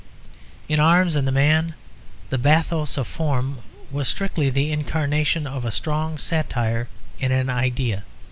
In Arms and the Man the bathos of form was strictly the incarnation of a strong satire in the idea.